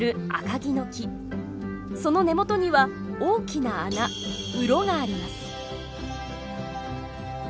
その根元には大きな穴ウロがあります。